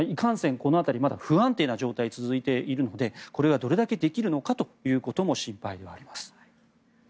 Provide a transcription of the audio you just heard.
この辺り不安定な状態が続いているのでこれがどれだけできるのかも心配ではあります。